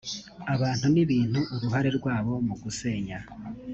abantu n’ibintu uruhare rwabo mu gusenya